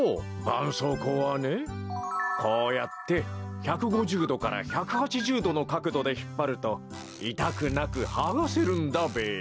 ばんそうこうはねこうやって１５０どから１８０どのかくどでひっぱるといたくなくはがせるんだべや。